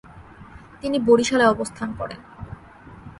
তিনি বরিশালে অবস্থান করেন।